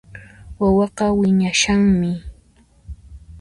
Wawaqa wiñashanmi